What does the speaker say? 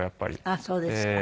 あっそうですか。